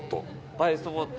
映えスポット？